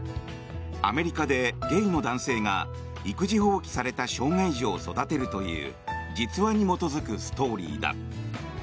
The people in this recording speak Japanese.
アメリカでゲイの男性が育児放棄された障害児を育てるという実話に基づくストーリーだ。